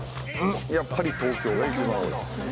やっぱり東京が一番多い。